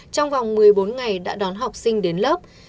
trong vòng một mươi bốn ngày đã đón học sinh đến lớp